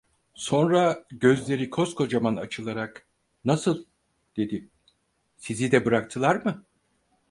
Sonra gözleri koskocaman açılarak: "Nasıl?" dedi. "Sizi de bıraktılar mı?"